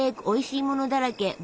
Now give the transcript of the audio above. おいしいものだらけ！